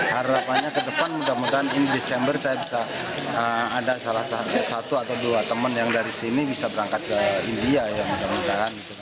harapannya ke depan mudah mudahan ini desember saya bisa ada salah satu atau dua teman yang dari sini bisa berangkat ke india ya mudah mudahan